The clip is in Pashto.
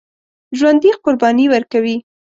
ژوندي قرباني ورکوي